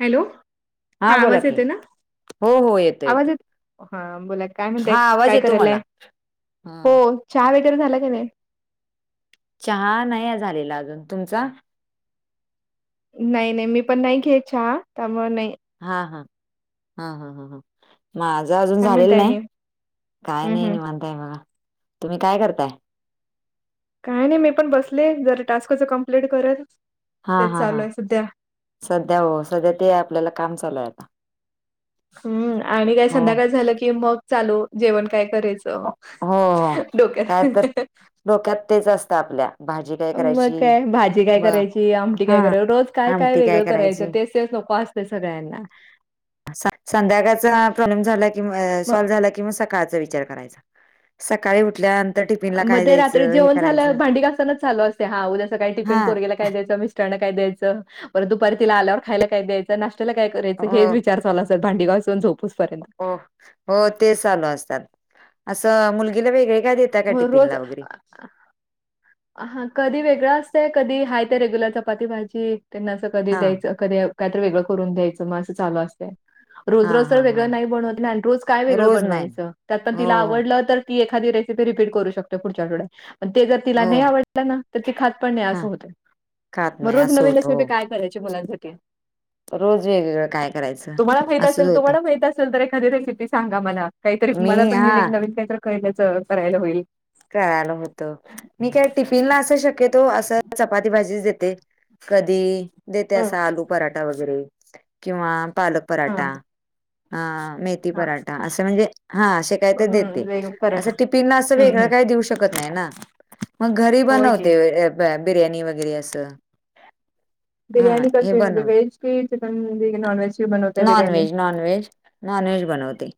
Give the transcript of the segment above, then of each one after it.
Hello, हा बोला आवाज की येते ना? हो हो येतो आवाज येतो येत हा बोला की, काय म्हणतय हा आवाज काय येतो मला करायलाय? हो ह चहा वगैरे झाला की नाही? चहा नाही झालेला अजून, तुमचा? नाही नाही मी पण नाही घेत चहा, त्यामुळ नाही. हा हा हा हा हा हा माझं अजुन काय झालेलं म्हणताय नाही, आणि काय हम्म नाही हम्म निवांत हाय बघा. तुम्ही काय करताय? काय नाही, मी पण बसले जरा टास्कच कम्प्लीट करत. हा तेच हा हा, चालू आहे सध्या सध्या हो सध्या ते आपल्याला काम चालूय आता. हम्म आणि काय हो संध्याकाळ झालं की मग, चालू जेवण काय करायच? हो हो ह काय डोक्यात. तर डोक्यात तेच असत आपल्या. भाजी काय मग करायची काय भाजी काय ब करायची. आमटी हा काय करायची. रोज काय काय आमटी वेगळं करायचं करायची तेच नको असतय सगळ्यांना. संध्याकाळचा प्रॉब्लेम झाला कि मग सॉल्व्ह झाला कि मग, स काळचा विचार करायचा. सकाळी उठल्या म ते रात्री जेवण झाल्यावर भांडी घासतानाच चालू असतय, हा उद्या सकाळी टिफिन हा. पोरग्याला काय द्यायचा. मिस्टरांना काय द्यायचं. परत दुपारी तिला आल्यावर खायला काय द्यायचं. नाष्ट्याला काय हो करायचं. हेच विचार चालू असत्यात. भांडी घासून झोपूस पर्यंत. हो हो, तेच चालू असतात. असं मुलगीला वेगळे काय दे होय रोज आ हा कधी वेगळ असतंय, कधी हाय ते रेग्युलर चपाती भाजी, त्यांना असं कधी हा द्यायचं. कधी, काहीतर वेगळं करून द्यायचं मग असं चालू असतय. रोज हा रोज हा तर वेगळं हा नाही बनवत. मी आणि रोज काय वेगळं रोज नाही बनवायचं, त्यात पण हो तिला हो आवडलं तर ती एखादी रेसिपी रिपीट करू शकतोय पुढच्या आठवड्यात, पण ते जर तिला हो नाही आवडल ना, तर ती खात पण नाही हा असं होतय. खात मग नाही रोज असं नवीन होतं रेसिपी हो. काय करायची, मुलांसाठी. रोज वेगवेगळं काय करायचं? तुम्हाला माहित असंच असेल होतं. तुम्हाला माहित असल तर एखादी रेसिपी सांगा मला. काहीतरी मी मला पण हा युनिक नवीन काहीतरी काळलच करायला होईल. करायला होत. मी काय टिफिनला असं शक्यतो असं, चपाती भाजीच देते. कधी, देते अस हम्म आलू पराठा वगैरे किंवा पालक पराठा, आ मेथी हा पराठा असे म्हणजे हा असे काय तर हम्म देते, वेग अस पराठा टिफीनला अस हम्म वेगळं हम्म. काय देऊ शकत नाही ना. मग घरी होय की. बनवते बिर्याणी वगैरे असं. हां, बिर्याणी हे कशी म्हणजे बनव व्हेज, की chicken non veg. Non veg, non veg, non veg बनवते.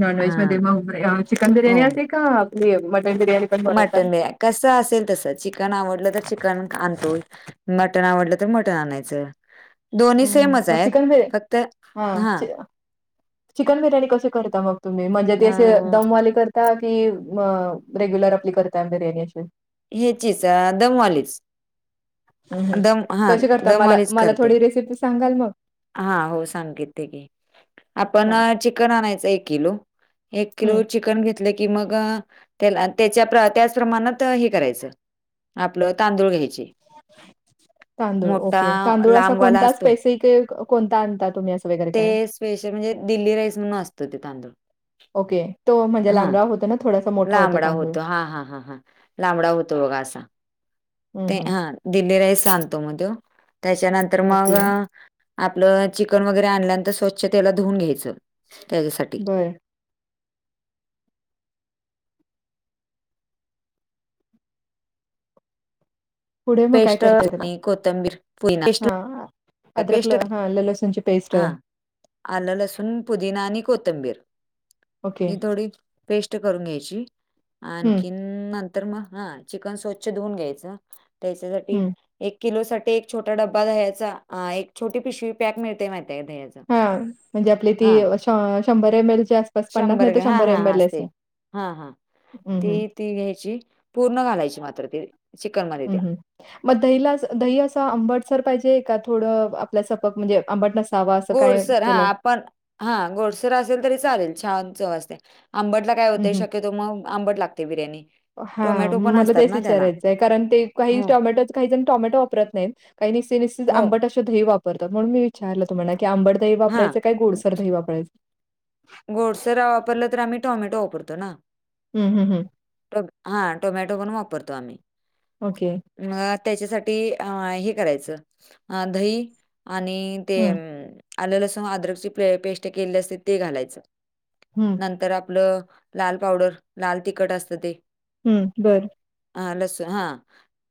नॉन व्हेज मध्ये हां, मग चिकन बिर्याणी असते का आपली मटन बिर्याणी. पण बनवता? मटन, बी कसं असेल तस, चिकन आवडलं तर चिकन आणतोय. मटण आवडलं तर मटण आणायचं. दोन्ही हम्म हम्म सेमच मग आहेत. चिकन बिर्या फक्त हा हां, चिक चिकन बिर्याणी कशी करता मग तुम्ही, म्हणजे ते असे अ, दमवाली कर ता की, रेग्युलर आपली करताय बिर्याणी अशी? येचीच दमवालीच. हम् हम दम हां, कशी करता? मला, मला थोडी रेसिपी सांगाल मग. हा हो. सांगित ते की आपण हां चिकन आणायचं एक किलो. एक हं किलो चिकन घे तल की मग, त्या त्याच्या त्याच प्रमाणात हे करायचं. आपलं तांदूळ घ्यायचे. तांदूळ मोठा ओके तांदूळ असा लांबवाला कोणता असतो. स्पेसिफिक कोणता आणता तुम्ही असं वगैरे ते काय. स्पेशल म्हणजे, दिल्ली राईस म्हणून असतोय तो तांदूळ. ओके तो म्हणजे हा लांबडा होतो ना थोडासा मोठा होता लांबडा तांदूळ. होतो हा हा हा हा. लांबडा होतो बघ असा. हं, ते हं. हा दिल्ली राईस आणतो म तो. त्याच्यानंतर- -तर मग ओके आपलं चिकन वगैरे आणल्यानंतर स्वच्छ तेला धुवून घ्यायचं. त्याच्यासाठी. बरं पुढे मग काय पेस्ट, करताय त्याला? आणि कोथंबीर, [unintelligible] हां. अद्रक ल पेस्ट. हां ल लसूणची पेस्ट हां. आल, लसूण, पुदीना आणि कोथांबिर. ओके. ही थोडी पेस्ट करून घ्यायची. हं, आणखीन - हम्. नंतर मग हा चिकन स्वच्छ धुऊन घ्यायचं. त्याच्यासाठी- हं. एक किलो साठी एक छोटा डब्बा दह्याचा. एक छोटी पिशवी पॅक मिळतय माहितीये काय दह्याच. हा. म्हणजे आपली ती शंभर एम एल ची अस - बस पन्नास नाही तर ग्रॅ हां, शंभर एम हां, एल अस. असते. हां, हां. हं. हं. ती ती घ्यायची. पूर्ण घालायची मात्र ती. चिकनमध्ये त्या. हम् हम. म दहीला दही असं आंबट सर पाहिजे का थोडं आपल्या सारखं म्हणजे आंबट नस- गोडसर. हा. आपण- हा गोडसर असेल तरी चालेल. छान चव असते. आंबटला काय हं, होतय शक्य- -तो मग आंबट लागते बिर्याणी. हा. टोमॅटो पण मला असतात तेच ना त्याला. विचारायचंय. कारण ते काही हो, टॉमॅटो काही जण टॉमॅटो वापरत नाहीत. काही [unintelligible] हो. आंबट- दही वापरतात. म्हणून म विचारल तुम्हाला की आंबर दही वापरायंच हां, का गोडसर दही वापरायचं? गोडसर वापरलं तर आम्ही टोमॅटो वापरतो ना? हम्. हम्. हम. हा. टोमॅटो पण वापरतो आम्ही. ओके. म त्याच्यासाठी अ हे करायचं. दही- आणि ते हं, अम आले लसूण अद्रकची प पेस्ट केलेली असते ते घालायचं. हम्म. नंतर आपलं लाल पावडर, लाल तिखट असतं ते. हम्म. बरं. हा. लसू -हा.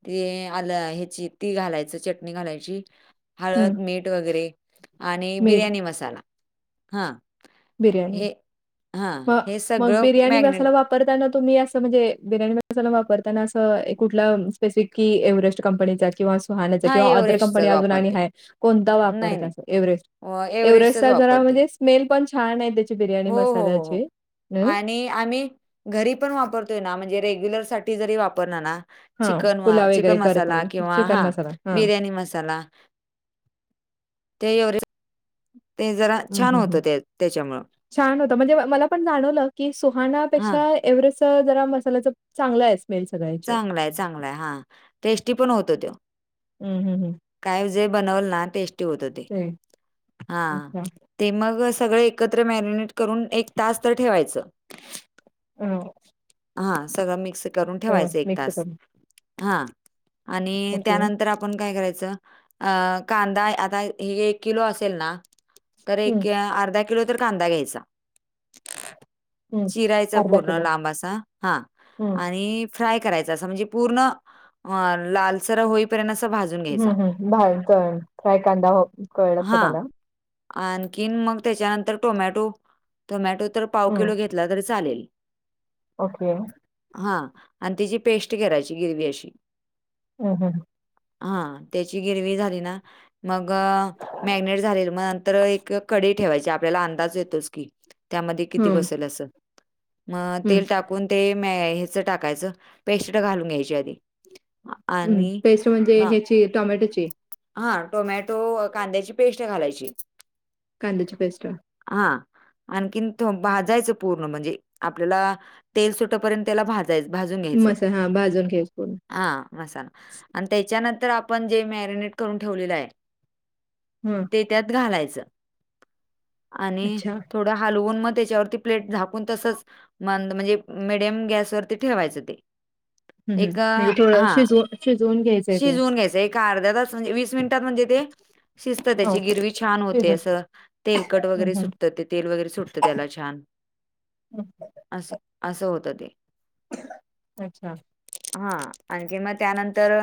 ते आलं ह्याची ती घालायची चटणी घालायची. हं. हळद, मीठ वगैरे आणि मीठ, बिर्याणी मसाला. हां. बिर्याणी. हे हां. हे मग सगळं बिर्याणी मॅग्नेट मसाला वापर- वापरताना तुम्ही असं म्हणजे बिर्याणी मसाला वापरताना अस ये कुठला स्पेसिफिक- कि एव्हरेस्ट कंपनीचा किंवा सुहानाचा हां, किंवा अदर कंपनी एव्हरेस्टचाच अजून आणि वापरते. आहे? कोण नाही, वापरता नाही अस? एव्हरेस्ट, अ, एव्हरेस्ट एव्हरेस्टचाच असा जरा वापरते. स्मेल पण - छान आहे त्याची बिर्याणी हो, हो, हो, हो मसाल्याची. अं? आणि आम्ही घरी पण वापरतोय ना म्हणजे रेग्युलर साठी जरी वापरला ना? चिकन हां. पुलाव चिकन वगैरे मसाला करताना किंवा चिकन हा मसाला हां. बिर्याणी मसाला. ते एवे ते जरा हं, छान हं, हं. होतं त्या त्याच्यामुळं. छान होत. म्हणजे मला पण जाणवलं की हां, सुहानापेक्षा एव्हरेस्ट जरा मसाल्याचं चांगलं आहे. स्मेल सगळ्याचे. चांगलाय चांगलाय हा टेस्टी पण होतो तो. हम्. हम्. हम. काय जे बनवल ना टेस्टी होत ते. हा. अच्छा. ते मग सगळे एकत्र मॅरिनेट करून एक तास तर ठेवायच. अ, हा. सगळं मिक्स करून अ, ठेवायचं एक मिक्स तास. करून हा आणि ओके. त्यानंतर आपण काय करायच. अ कांदा आता हे एक किलो असेल ना, तर हं. एक अर्धा किलो तर कांदा घ्यायचा. हम्म चिरायचा अर्धा पूर्ण किलो लांबा आसा. हा हम्म आणि फ्राय करायच अस म्हणजे पूर्ण लालसर होई पपर्यंत अस भाजुन हम् हम्म बा तर फ्राय कांदा हो. कळ हा लक्षात आला आणखीन मग त्याच्यानंतर टोमॅटो -टोमॅटो- तर पाव हम्म किलो घेतला तरी चालेल. ओके हा आणि तिची पेस्ट घेरायची ग्रेव्ही अशी. हम हं हा त्याची गिरवी झाली ना, मग मॅरीनेट झाले मग नंतर एक कडी ठेवायची आपल्याला अंदाज येतोच की, त्यामध्ये किती हम्म बसेल अस. मग हम्म तेल टाकून ते म ह्याच टाकायच पेस्ट घालून घ्यायची आधी. हम् आणि पेस्ट म्हणजे ह्याची टोमॅटोची. हा टोमॅटो कांद्याची पेस्ट घालायचीच. कांद्याची पेस्ट. हा आणखीन भाजायच पूर्ण म्हणजे आपल्याला तेल सुटपर्यंत त्याला भाज च भाजून घ्यायच. मसाला हा भाजून घ्यायच पूर्ण हा मसाला आणि त्याच्यानंतर आपण जे मॅरिनेट करून ठेवलेल आहे. हम्म ते त्यात घालायच आणि अच्छा थोड हलवून मग त्याच्यावरती प्लेट झाकून तसच मंद म्हणजे मिडियम गॅसवरती ठेवायच ते हम्म हम्म एक म्हणजे थोडं हा शिजव शिजवून घ्यायचंय ते शिजून घ्यायच एक अर्धा तास म्हजे वीस मिनट त म्हणजे ते शिजत हो त्याची गिरवी छान होते शिजून अस तेलकट वगैरे हम्म हम्म सुटत तिथ. तेल वगैरे सुटत त्याला छान हम्म अस -अस होत ते. अच्छा हा आणखी म त्यानंतर.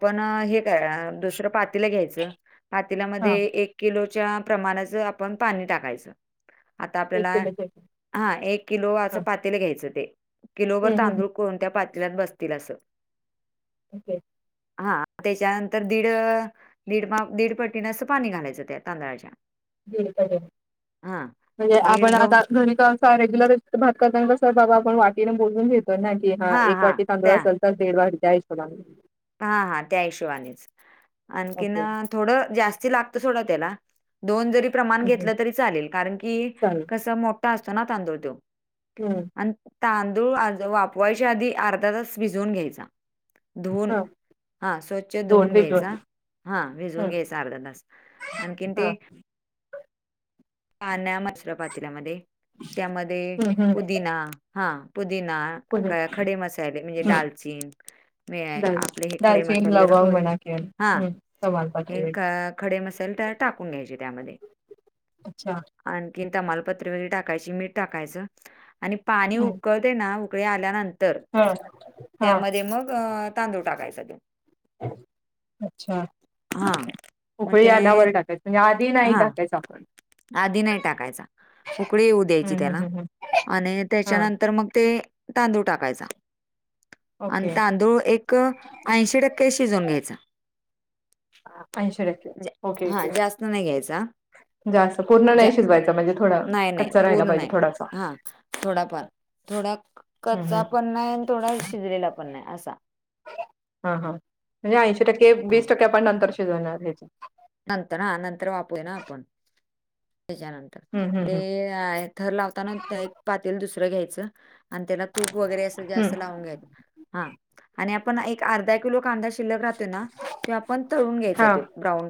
आपण हे काय दुसर पातीला घ्यायच पातीलामध्ये हा एक किलोच्या प्रमाणाच आपण पाणी टाकायच आता एक आपल्याला किलो चे हा एक किलो अस हा पातेल घ्यायच ते किलोवरर हम्म हम्म हम्म तांदूळ कोणत्या पातेलात बसतील अस. ओके. हा त्याच्यानंतर दीड दीड दीड पट्टीने अस पाणी घालायच ते तांदळाच्या दीड पटीने हा म्हणजे दीड आपण दोन आता. धनिका असा रेग्युलर भात करताना कस बाबा आपण वाटीने मोजून घेतोय नाही. कि हा एक वाटी तांदूळ असेल तर दीड वाट डाळ त्यायशोबाने.. हा हा त्या हिशोबानेच. आणखीन ओके थोड जास्ती लागत सोडा त्याला. दोन जरी प्रमाण हं, हं. घेतल तरी चाल कारण की चालेल कस मोठा असतो ना तांदूळ तो. हम्म आणि तांदूळ आज वापरायच्या आधी अर्धा तास भिजून घ्यायचा धुवून. हा हा स्वच्छ दोन धुवून वेगळ घ्यायचा हा भिजून हम्म घ्यायचा अर्धा तास आणखीन हा ते पाण्या मसर पातल्यामध्ये त्यामध्ये हम्म हम्म पुदिना हा पुदिना पुढे खडे मसाले म्हणजे हम्म ाडालचीन म दाल आपले हे खडे दालचीन मसाले जरा लवंग थोडे म्हणा किंवा हा हं. तमालपत्र हे वगैरे. ख खडे मसाल तर टाकून घ्यायचे त्यामध्ये अच्छा आणखीन तमालपत्र वगैरे टाकायची मीठ टाकायचं आणि पाणी हा उकळते ना ऊकळी आल्यानंतर हा त्यामध्ये मग तांदूळ टाकायचा अच्छा हा मग उकळी ते आल्याधावर टाकाय म्हणजे आधी नाही हा टाकायच आपण आधी नाही टाकायचा उकळी येऊ द्यायची हम्म त्याला हम्म हम्म आणि हा त्याच्यानंतर मग ते तांदूळ टाकायचा आणि ओके तांदूळ एक ऐंशी टक्के शिजवून घ्यायचा ऐंशी टक्के ओके ओके हा जास्त नाही घ्यायचा जास्त पूर्ण झा नाही शिजवायचा म्हणजे थोडा नाही नाही कच्चा राहिला पूर्ण पाहिजे नाही थोडासा हा थोडाफार थोडा हं हं कचा पण नाही आणि थोडा शिजलेला पण नाही असा हा हा म्हणजे ऐंशी टक्के वीस हां, टक्के पण नंतर शिजवणार ह्याच नंतर ह नंतर वापूया ना आपण त्याच्यानंतर हं हं ते हं हा थर लावताना एक पात दुसरं घ्यायचं आणि त्याला तूप वगैरे अस हं जास्त घ्यायच हा आणि आपन एक अर्धा कीलो कांदा शिल्लकराहतोय ना आपण तळुन घ्यायचा हा ब्राउन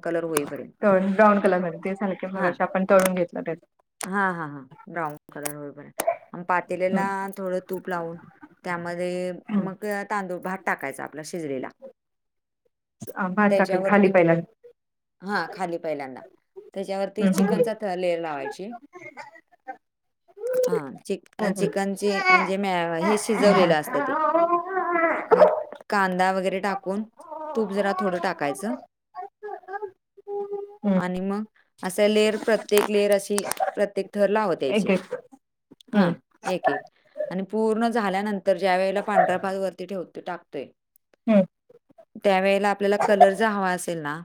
तळून ब्राऊन कलर म ते झालं मगा आपण तळून घेतलं त्यात हा हा हा ब्राऊन कलर बरोबर आहे पातेलेला हं थोडं तूप लावून त्यामध्ये हं मग तांदूळ भात टाकायचा आपला शिजलेला भात टाकायचा खाली पहिला हा खाली पहिल्यांदा त्याच्यावरती हं चिकनचा ि थर लावाय [inaudible] [unintelligible] हा चिक हं हं चिकनचे म्हणजे म हे शिजवलेलं असतं ते मग कांदा वगैरे टाक कुन तूप जरा थोडं टाकायचं हं आणि मग असा लेअर प्रत्येक लेअर अशी प्रत्येक थर लावत यायचे एक एक हं हा एक एक आणि पूर्ण झाल्यानंतर ज्या वेळेला पांढऱ्या भाग वरती ठेवते टाकतोय हं त्यावेेळेला आपल्याला कलरचा हवा असेल ना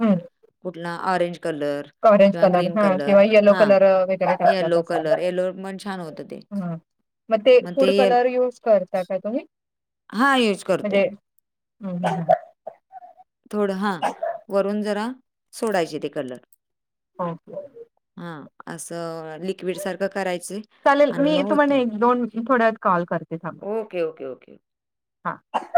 बर कुठला ऑरेंज कलर ऑरेंज किंवा कलर ग्रीन हा किंवा येलो हां, कलर वेगळा टाकला तर येलो कलर. येलोवर पण छान होतं ते. चालेल हे मग ते फुड कलर युज करता का तुम्ही हा यूज करतोय बरं बर थोड हा वरून जरा सोडायचे ते कलर ओके, हा असं नी एक सारख करायच चालेल आणि मी मग होत तुम्हाला एक दोन थोड्या वेळात कॉल ओके, ओके, ओकेओक हा